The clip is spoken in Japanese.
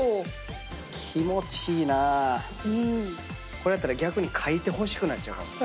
これやったら逆にかいてほしくなっちゃうかも。